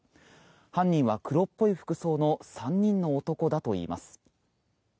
犯人は黒っぽい服装の３人の男だといいます。